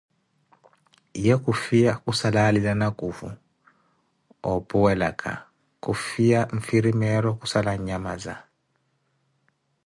Ye khussutwa, khussala alila nakuuvu ophuwelakah ofea, nfirimeroh khussala an'nhamaza